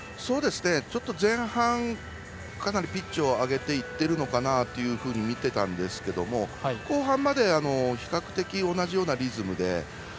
ちょっと前半かなりピッチを上げていっているのかなと見ていたんですけども後半まで比較的同じようなリズムで。